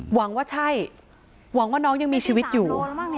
หวังว่าใช่หวังว่าน้องยังมีชีวิตอยู่